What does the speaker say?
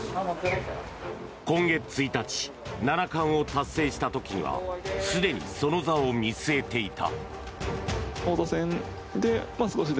今月１日七冠を達成した時にはすでにその座を見据えていた。